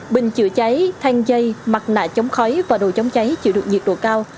bình chữa cháy thang dây mặt nạ chống khói và đồ chống cháy chịu được nhiệt độ cao